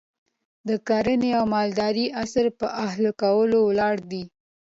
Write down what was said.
د کرنې او مالدارۍ عصر پر اهلي کولو ولاړ دی.